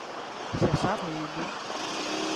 Xa sabe, ¿non?